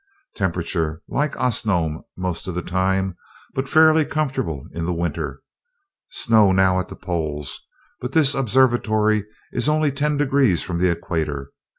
Temperature, like Osnome most of the time, but fairly comfortable in the winter. Snow now at the poles, but this observatory is only ten degrees from the equator.